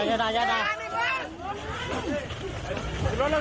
สวัสดีครับคุณผู้ชาย